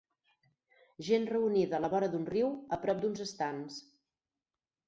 Gent reunida a la vora d'un riu a prop d'uns estands.